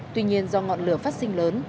tuy nhiên do ngọn lửa phát sinh lớn